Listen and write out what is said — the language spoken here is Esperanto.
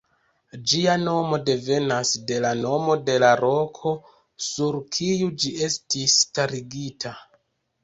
Ĝia nomo devenas de la nomo de la roko, sur kiu ĝi estis starigita.